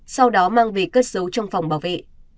sau đó mang về cất giấu trong phòng bảo vệ